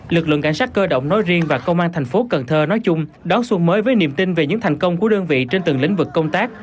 lực lượng cảnh sát cơ động nói riêng và công an thành phố cần thơ nói chung đón xuân mới với niềm tin về những thành công của đơn vị trên từng lĩnh vực công tác